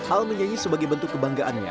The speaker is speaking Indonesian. al menyanyi sebagai bentuk kebanggaannya